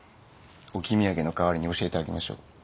置き土産の代わりに教えてあげましょう。